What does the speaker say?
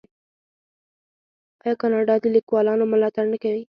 آیا کاناډا د لیکوالانو ملاتړ نه کوي؟